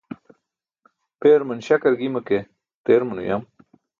Beeruman śakar gima ke teeruman uyam.